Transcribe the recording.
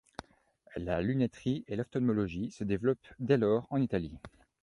La lunetterie et l'ophtalmologie se développent dès lors en Italie.